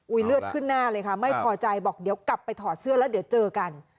เลือดขึ้นหน้าเลยค่ะไม่พอใจบอกเดี๋ยวกลับไปถอดเสื้อแล้วเดี๋ยวเจอกัน